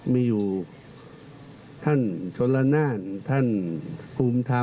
มีอยู่ท่านชนละนานท่านภูมิธรรม